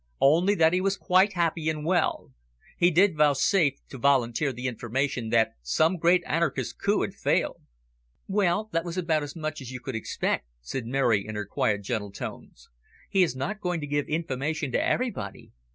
"Only that he was quite happy and well. He did vouchsafe to volunteer the information that some great anarchist coup had failed." "Well, that was about as much as you could expect," said Mary in her quiet, gentle tones. "He is not going to give information to everybody."